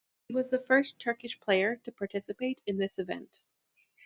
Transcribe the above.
He was the first Turkish player to participate in this event.